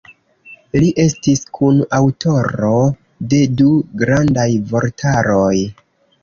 Li estis kunaŭtoro de du grandaj vortaroj.